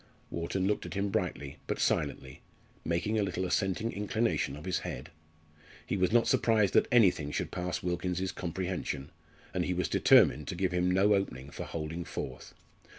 Wharton looked at him brightly, but silently, making a little assenting inclination of the head. He was not surprised that anything should pass Wilkins's comprehension, and he was determined to give him no opening for holding forth.